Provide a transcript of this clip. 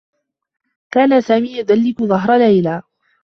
كان سامي يدلّك ظهر ليلى.